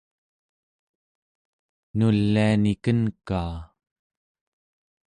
nuliani kenkaa